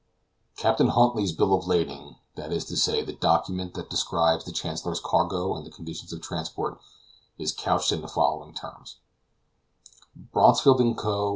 Captain Huntly's bill of lading, that is to say, the document that describes the Chancellor's cargo and the conditions of transport, is couched in the following terms: Bronsfield and Co.